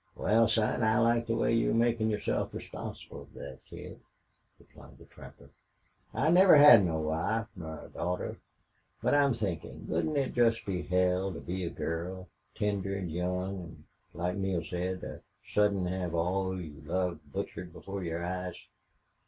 "Wal, son, I like the way you're makin' yourself responsible fer thet kid," replied the trapper. "I never had no wife nor daughter. But I'm thinkin' wouldn't it jest be hell to be a girl tender an' young an' like Neale said an' sudden hev all you loved butchered before your eyes?"